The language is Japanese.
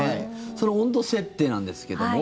その温度設定なんですけども。